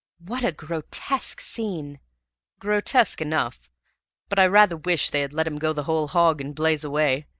"What a grotesque scene!" "Grotesque enough, but I rather wish they had let him go the whole hog and blaze away.